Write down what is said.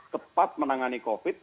tepat menangani covid